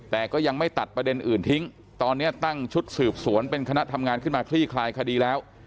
แต่ก็ยังไม่ตัดประเด็นอื่นทิ้งตอนนี้ตั้งชุดสืบสวนเป็นคณะทำงานขึ้นมาคลี่คลายคดีแล้ว